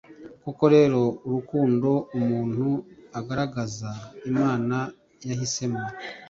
koko rero, urukundo umuntu agaragariza imana yahisemo.